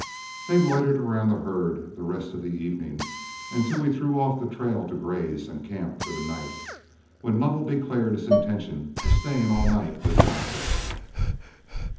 They loitered around the herd the rest of the evening, until we threw off the trail to graze and camp for the night, when Lovell declared his intention of staying all night with the outfit.